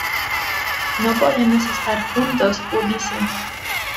no podemos estar juntos, Ulises